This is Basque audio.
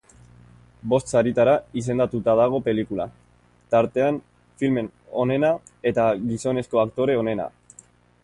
Bost saritara izendatuta dago pelikula, tartean film onena eta gizonezko aktore onena.